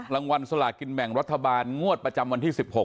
รางวัลสลากินแบ่งรัฐบาลงวดประจำวันที่๑๖